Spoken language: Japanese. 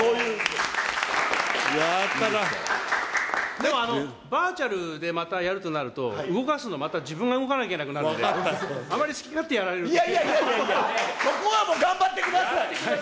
でも、バーチャルでまたやるとなると、動かすの、また自分が動かなきゃいけなくなるので、あまり好き勝手やられるいやいやいやいや、やってください。